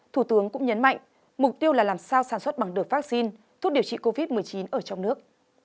thủ tướng cũng nhấn mạnh mục tiêu là làm sao sản xuất bằng được vaccine thuốc điều trị covid một mươi chín ở trong nước